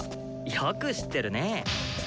よく知ってるね。